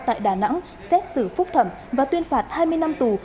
tại đà nẵng xét xử phúc thẩm và tuyên phạt hai mươi năm tù